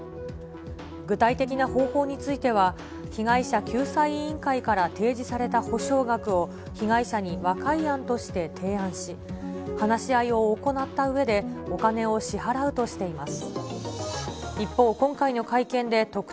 具体的な方法については、被害者救済委員会から提示された補償額を被害者に和解案として提案し、話し合いを行ったうえで、お金を支払うとしています。